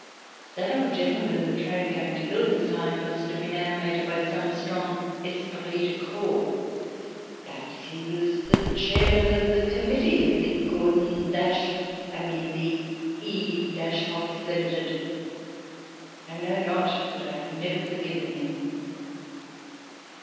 That old gentleman in the train going to Hildesheim must have been animated by some strong esprit de corps ; perhaps he was the chairman of the committee of The Gordon — I mean the E Hofs Ltd. ? I know not, but I have never forgiven him.